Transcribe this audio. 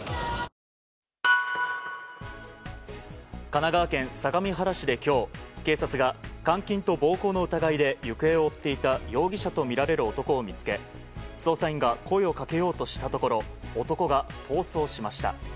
神奈川県相模原市で今日警察が監禁と暴行の疑いで行方を追っていた容疑者とみられる男を見つけ捜査員が声をかけようとしたところ男が逃走しました。